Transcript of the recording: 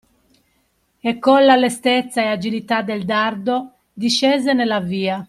E colla lestezza e agilità del dardo, discese nella via